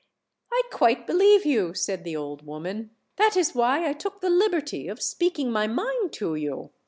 "I quite believe you," said the old woman. "That is why I took the liberty of speaking my mind to you.